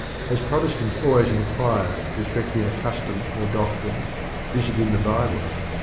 As Protestants always inquire respecting a custom or doctrine, "Is it in the Bible?"